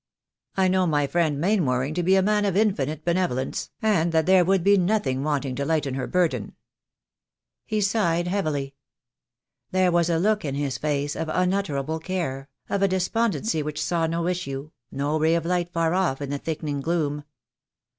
I know my friend Mainwaring to be a man of infinite bene THE DAY WILL COME. l8l volence, and that there would be nothing wanting to lighten her burden." He sighed heavily. There was a look in his face of unutterable care, of a despondency which saw no issue, no ray of light far off in the thickening gloom.